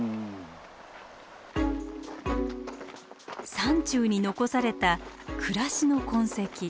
山中に残された暮らしの痕跡。